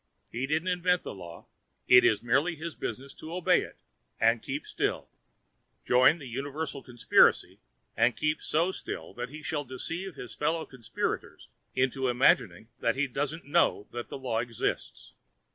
He didn't invent the law; it is merely his business to obey it and keep still; join the universal conspiracy and keep so still that he shall deceive his fellow conspirators into imagining that he doesn't know that the law exists.